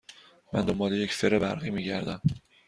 من دنبال یک فر برقی می گردم.